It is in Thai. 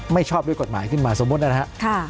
ชอบด้วยกฎหมายขึ้นมาสมมุตินะครับ